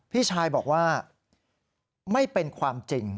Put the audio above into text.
พี่ชายบอกว่าไม่เป็นความจริง